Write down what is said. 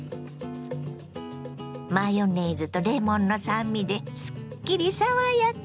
マヨネーズとレモンの酸味ですっきり爽やか。